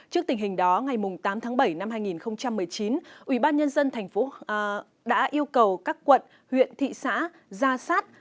trước tình hình đó ngày tám tháng bảy năm hai nghìn một mươi chín ủy ban nhân dân thành phố đã yêu cầu các quận huyện thị xã ra sát